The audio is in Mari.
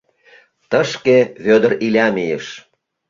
Тышке Вӧдыр Иля мийыш.